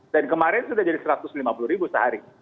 dan kemarin sudah jadi satu ratus lima puluh ribu sehari